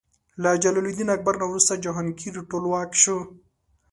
له جلال الدین اکبر نه وروسته جهانګیر ټولواک شو.